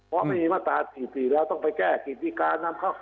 เพราะไม่มีมาตรศาสตร์๔ปีแล้วต้องไปแก้กิจดีการ